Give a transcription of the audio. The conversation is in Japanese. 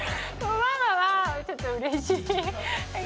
ママはちょっとうれしい。